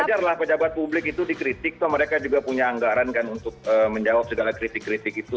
wajarlah pejabat publik itu dikritik mereka juga punya anggaran kan untuk menjawab segala kritik kritik itu